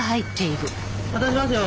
渡しますよ。